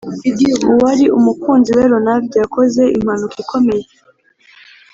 uwari umukunzi we ronald, yakoze impanuka ikomeye